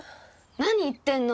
何言ってんの！